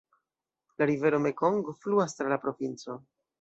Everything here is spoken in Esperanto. La rivero Mekongo fluas tra la provinco.